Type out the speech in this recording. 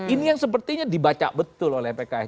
ini yang sepertinya dibaca betul oleh pks